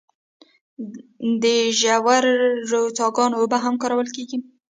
د ژورو څاګانو اوبه هم کارول کیږي.